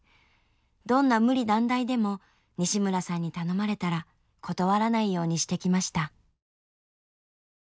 どんな無理難題でも西村さんに頼まれたら断らないようにしてきました。